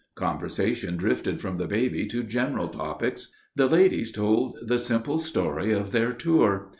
Conversation drifted from the baby to general topics. The ladies told the simple story of their tour.